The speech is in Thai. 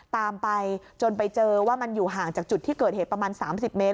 ตามไปจนไปเจอว่ามันอยู่ห่างจากจุดที่เกิดเหตุประมาณ๓๐เมตร